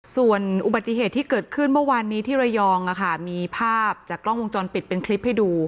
ส่วนอุบัติเหตุที่เกิดขึ้นเมื่อวานนี้ที่ระยองมีภาพจากกล้องวงจรปิดเป็นคลิปให้ดู